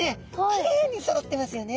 きれいにそろってますよね。